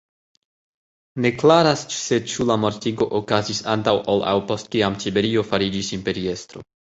Ne klaras ĉseĉu la mortigo okazis antaŭ ol aŭ post kiam Tiberio fariĝis imperiestro.